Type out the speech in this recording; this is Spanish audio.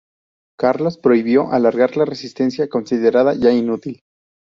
Carlos prohibió alargar la resistencia, considerada ya inútil.